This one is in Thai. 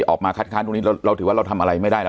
ออกมาคัดค้านตรงนี้เราถือว่าเราทำอะไรไม่ได้แล้ว